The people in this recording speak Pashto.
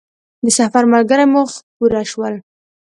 د سفر ملګري مو پوره شول.